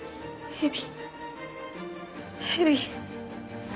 ヘビ。